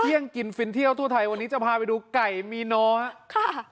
เที่ยงกินฟินเที่ยวทั่วไทยวันนี้จะพาไปดูไก่มีโนครับ